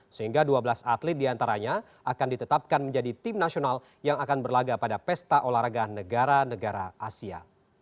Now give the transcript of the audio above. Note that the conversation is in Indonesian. sehingga dua belas atlet diantaranya akan ditetapkan menjadi tim nasional yang akan berlaga pada pesta olahraga negara negara asia